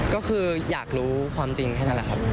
ก็คืออยากรู้ความจริงแค่นั้นแหละครับ